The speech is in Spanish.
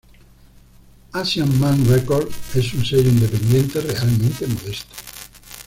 Asian Man Records es un sello independiente realmente modesto.